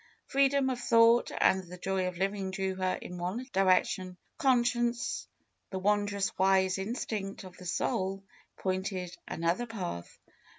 Freedom of thought and the joy of living drew her in one direction. Conscience, the wondrous wise instinct of the soul, pointed an other path.